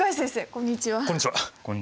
こんにちは。